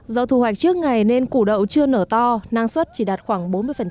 do thu hoạch trước ngày nên củ đậu chưa nở to năng suất chỉ đạt khoảng bốn mươi